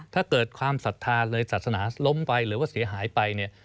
ถ้าเกิดความศรัทธาเลยศาสนาล้มไปหรือว่าเสียหายไปเนี่ย